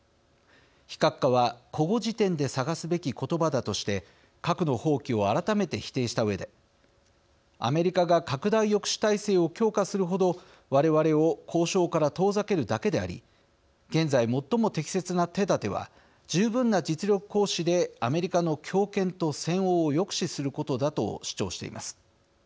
非核化は古語辞典で探すべき言葉だとして核の放棄を改めて否定したうえでアメリカが拡大抑止体制を強化するほど我々を交渉から遠ざけるだけであり現在最も適切な手だては十分な実力行使でアメリカの強権と専横を抑止することだと主張しています。